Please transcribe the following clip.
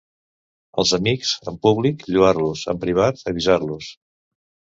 Als amics, en públic, lloar-los; en privat, avisar-los.